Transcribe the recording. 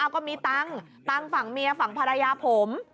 ก็มีตังค์ตังค์ฝั่งเมียฝั่งภรรยาผม